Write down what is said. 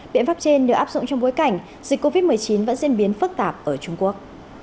biện pháp trên được áp dụng trong bối cảnh dịch covid một mươi chín vẫn diễn biến phức tạp ở trung quốc